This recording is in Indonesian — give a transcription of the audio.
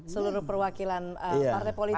seluruh perwakilan partai politik